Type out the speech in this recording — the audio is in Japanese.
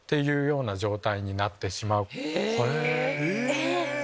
えっ！